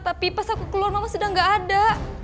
tapi pas aku keluar mama sudah gak ada